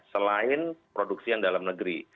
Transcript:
selain produksi yang dalam negeri